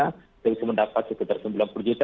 kita bisa mendapat sekitar sembilan puluh juta